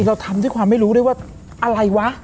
เราทำด้วยความไม่รู้ด้วยว่าอะไรวะ